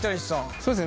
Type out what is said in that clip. そうですね